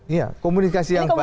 iya komunikasi yang baik